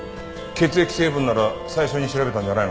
血液成分なら最初に調べたんじゃないのか？